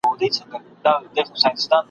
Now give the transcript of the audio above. د پښتونستان د ورځي !.